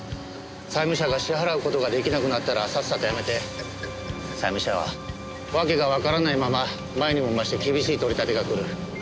債務者が支払う事が出来なくなったらさっさとやめて債務者はわけがわからないまま前にも増して厳しい取り立てが来る。